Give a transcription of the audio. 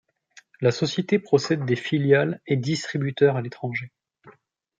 La société possède des filiales et distributeurs à l'étranger.